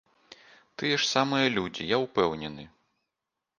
Тыя ж самыя людзі, я ўпэўнены.